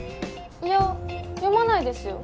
いや読まないですよ。